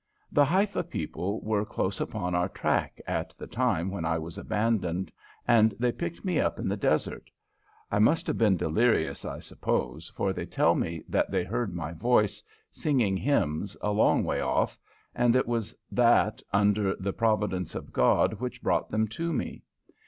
"The Haifa people were close upon our track at the time when I was abandoned, and they picked me up in the desert. I must have been delirious, I suppose, for they tell me that they heard my voice, singing hymns, a long way off, and it was that, under the providence of God, which brought them to me.